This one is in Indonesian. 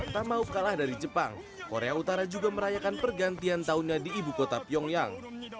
tak mau kalah dari jepang korea utara juga merayakan pergantian tahunnya di ibu kota pyongyang